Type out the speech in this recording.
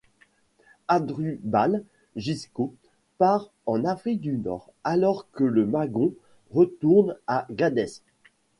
Hasdrubal Gisco part en Afrique du Nord alors que Magon retourne à Gadès.